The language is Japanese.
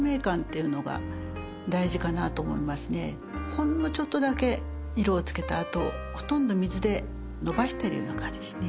ほんのちょっとだけ色をつけたあとほとんど水でのばしてるような感じですね。